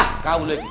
ah kau lagi